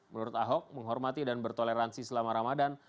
menurut ahok menghormati dan bertoleransi selama ramadan